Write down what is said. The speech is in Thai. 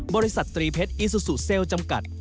บริษัทตรีเพชรอีซูซูเซลลจำกัด